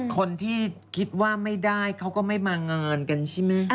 คนที่คิดว่าไม่ได้เขาก็ไม่มางานกันใช่ไหม